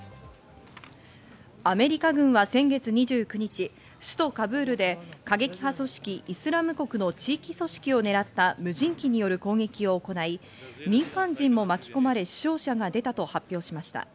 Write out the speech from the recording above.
アメリカ軍は先月２９日、首都カブールで過激派組織「イスラム国」の地域組織をねらった無人機による攻撃を行い、民間人も巻き込まれ死傷者が出たと発表しました。